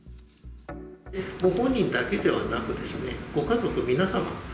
ご本人だけではなくですね、ご家族皆様